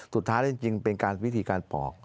สุดท้ายจริงเป็นวิธีการปอก